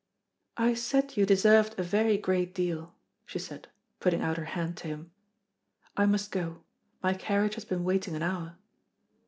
"I said you deserved a very great deal," she said, putting out her hand to him. "I must go, my carriage has been waiting an hour."